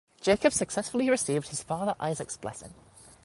Jacob successfully received his father Isaac's blessing.